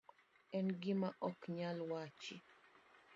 En gima ok nyal wachi.